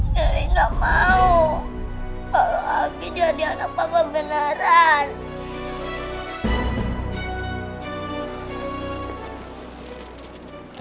jerry nggak mau kalau abi jadi anak papa beneran